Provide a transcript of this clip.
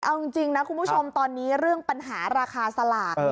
เอาจริงนะคุณผู้ชมตอนนี้เรื่องปัญหาราคาสลาก